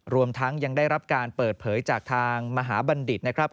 รวมทั้งยังได้รับการเปิดเผยจากทางมหาบัณฑิตนะครับ